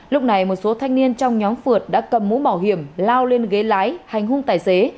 lúc này một số thanh niên trong nhóm phượt đã cầm mũ bảo hiểm lao lên ghế lái hành hung tài xế